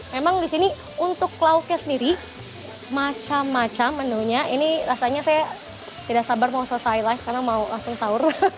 memang di sini untuk lauknya sendiri macam macam menunya ini rasanya saya tidak sabar mau selesai live karena mau langsung sahur